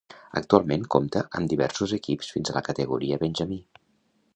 Actualment compta amb diversos equips fins a la categoria benjamí.